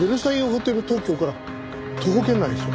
東京から徒歩圏内ですよ。